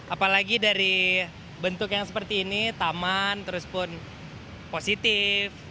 apalagi dari bentuk yang seperti ini taman terus pun positif